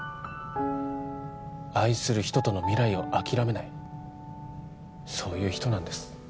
愛する人との未来を諦めないそういう人なんです